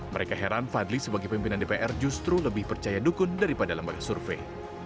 mereka heran fadli sebagai pimpinan dpr justru lebih percaya dukun daripada lembaga survei